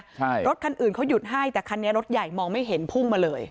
ใช่รถคันอื่นเขาหยุดให้แต่คันนี้รถใหญ่มองไม่เห็นพุ่งมาเลย